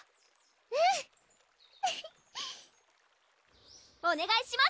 うん！おねがいします